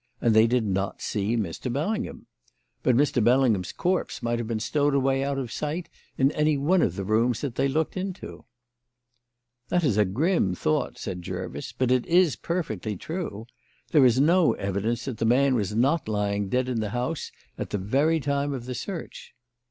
And they did not see Mr. Bellingham. But Mr. Bellingham's corpse might have been stowed away out of sight in any one of the rooms that they looked into." "That is a grim thought," said Jervis; "But it is perfectly true. There is no evidence that the man was not lying dead in the house at the very time of the search."